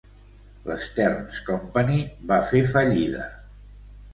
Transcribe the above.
L'Stearns Company va fer fallida.